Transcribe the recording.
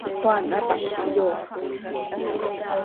Juan hapáh quih yoofp.